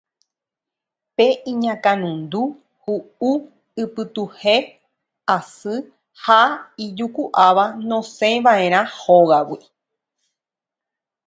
Pe iñakãnundu, hu'u, ipytuhẽ asy ha ijuku'áva nosẽiva'erã hógagui